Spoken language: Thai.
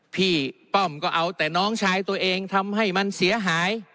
ป้อมก็เอาแต่น้องชายตัวเองทำให้มันเสียหาย